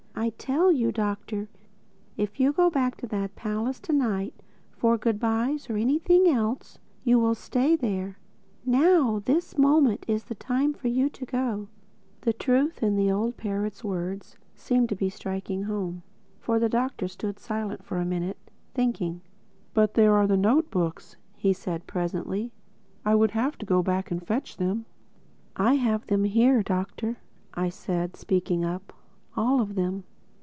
"I tell you, Doctor, if you go back to that palace tonight, for goodbys or anything else, you will stay there. Now—this moment—is the time for you to go." The truth of the old parrot's words seemed to be striking home; for the Doctor stood silent a minute, thinking. "But there are the note books," he said presently: "I would have to go back to fetch them." "I have them here, Doctor," said I, speaking up—"all of them."